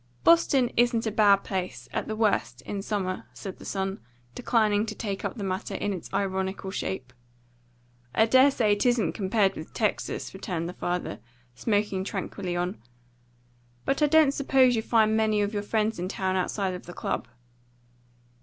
"Boston isn't a bad place, at the worst, in summer," said the son, declining to take up the matter in its ironical shape. "I dare say it isn't, compared with Texas," returned the father, smoking tranquilly on. "But I don't suppose you find many of your friends in town outside of the club."